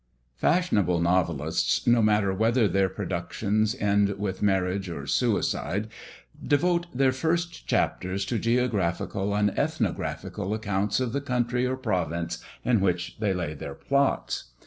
Fashionable novelists, no matter whether their productions end with marriage or suicide, devote their first chapters to geographical and ethnographical accounts of the country or province in which they lay their plots.